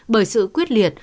bởi sự quyết liệt